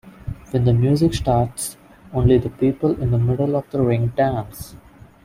When the music starts, only the people in the middle of the ring dance.